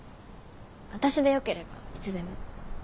私でよければいつでも。